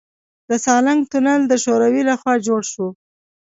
د سالنګ تونل د شوروي لخوا جوړ شو